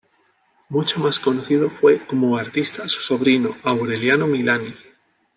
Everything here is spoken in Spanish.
Mucho más conocido fue como artista su sobrino, Aureliano Milani.